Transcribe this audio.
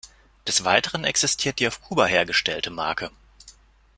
Des Weiteren existiert die auf Kuba hergestellte Marke.